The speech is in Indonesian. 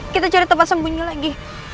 kita cari tempat sembunyi lagi